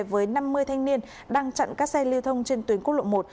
với năm mươi thanh niên đang chặn các xe lưu thông trên tuyến quốc lộ một